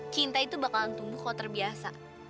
cinta itu bakalan tumbuh kalau terbiasa